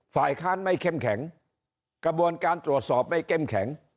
ฝ่ายค้านไม่เข้มแข็งกระบวนการตรวจสอบไม่เข้มแข็ง